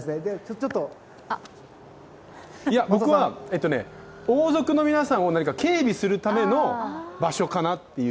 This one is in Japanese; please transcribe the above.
僕は王族の皆さんを警備するための場所かなっていう。